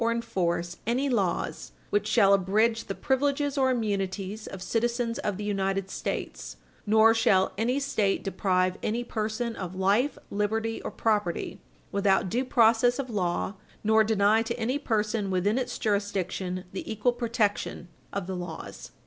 306 enforce any laws which shall abridge the privilege or immunities of citizens of the United States, nor shall any State deprive any person of life, liberty, or property without due process of law, nor deny to any person within its jurisdiction the equal protection of the laws."